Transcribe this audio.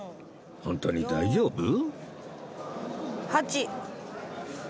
本当に大丈夫？